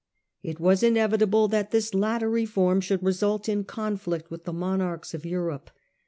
It was inevitable that this latter reform should result in conflict with the monarchs of Europe.